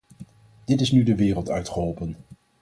Dit is nu de wereld uit geholpen.